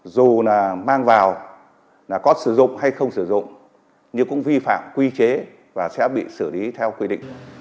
dù là mang vào là có sử dụng hay không sử dụng nhưng cũng vi phạm quy chế và sẽ bị xử lý theo quy định